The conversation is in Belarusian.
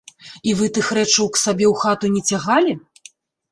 І вы тых рэчаў к сабе ў хату не цягалі?